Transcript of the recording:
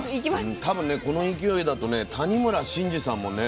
多分ねこの勢いだとね谷村新司さんもね